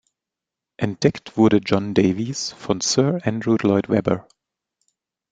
Entdeckt wurde John Davies von Sir Andrew Lloyd Webber.